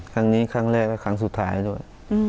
ครั้งนี้ครั้งแรกและครั้งสุดท้ายด้วย